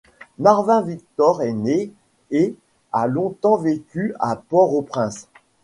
Marvin Victor est né et a longtemps vécu à Port-au-Prince.